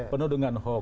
penuh dengan hoax